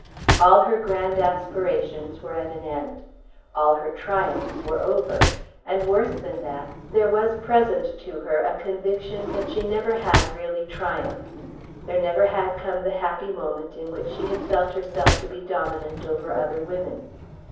All her grand aspirations were at an end. All her triumphs were over. And worse than that, there was present to her a conviction that she never had really triumphed. There never had come the happy moment in which she had felt herself to be dominant over other women.